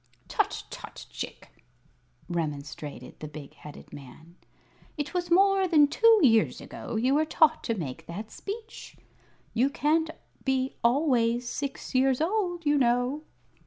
"Tut tut, Chick!" remonstrated the big headed man; "it was more than two years ago you were taught to make that speech. You can't be always six years old, you know."